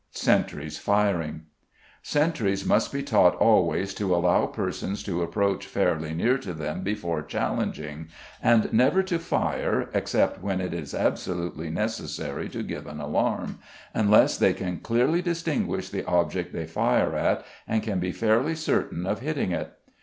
Sentries Firing. Sentries must be taught always to allow persons to approach fairly near to them before challenging, and never to fire, except when it is absolutely necessary to give an alarm, unless they can clearly distinguish the object they fire at and can be fairly certain of hitting it.